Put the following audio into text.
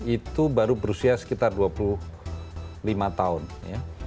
itu baru berusia sekitar dua puluh lima tahun ya